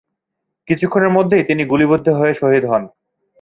কিছুক্ষণের মধ্যেই তিনি গুলিবিদ্ধ হয়ে শহীদ হন।